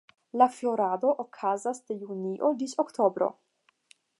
La florado okazas de junio ĝis oktobro.